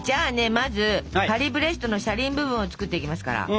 まずパリブレストの車輪部分を作っていきますから。